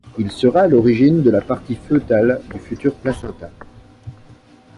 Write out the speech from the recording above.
Il sera à l'origine de la partie fœtale du futur placenta.